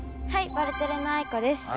ワルテレのあいこです。